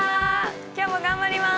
今日も頑張ります！